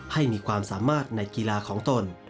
ให้มีความสามารถในกีฬาของตน